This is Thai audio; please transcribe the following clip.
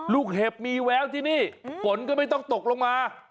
เห็บมีแววที่นี่ฝนก็ไม่ต้องตกลงมา